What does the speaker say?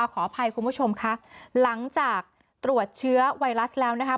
ขออภัยคุณผู้ชมค่ะหลังจากตรวจเชื้อไวรัสแล้วนะคะ